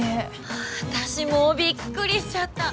わたしもうびっくりしちゃった。